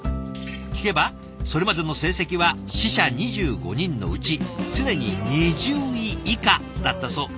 聞けばそれまでの成績は支社２５人のうち常に２０位以下だったそう。